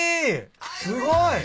すごい！